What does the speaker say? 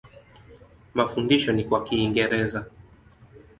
Mafundisho ni kwa Kiingereza.